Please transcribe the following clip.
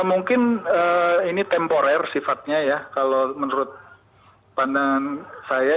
mungkin ini temporer sifatnya ya kalau menurut pandangan saya